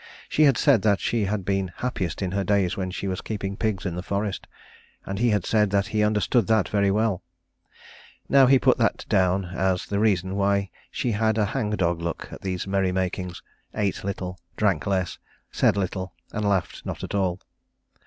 She had said that she had been happiest in her days when she was keeping pigs in the forest; and he had said that he understood that very well. Now he put that down as the reason why she had a hang dog look at these merry makings, ate little, drank less, said little and laughed not at all.